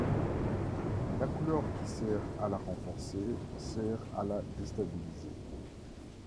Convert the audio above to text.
La couleur qui sert à la renforcer sert à la déstabiliser.